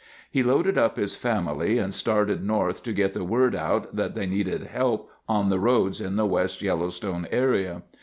He loaded up his family and started north to get the word out that they needed help on the roads in the West Yellowstone area.